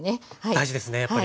大事ですねやっぱり。